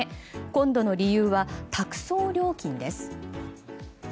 今度の理由は託送料金です。